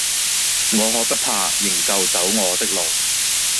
我可不怕，仍舊走我的路。